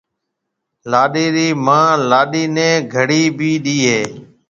لاڏيِ رِي مان لاڏيَ نَي گھڙِي بي ڏَي هيَ۔